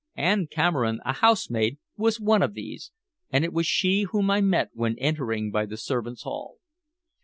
Ann Cameron, a housemaid, was one of these, and it was she whom I met when entering by the servants' hall.